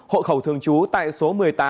hộ khẩu thường chú tại số một mươi tám